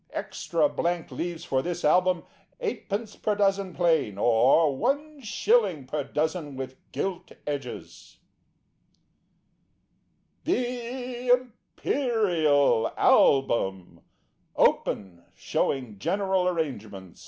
Extra Blank Leaves for this Album, 8d. per dozen, plain; or 1/ per dozen with gilt edges. THE IMPERIAL ALBUM (OPEN), SHOWING GENERAL ARRANGEMENTS.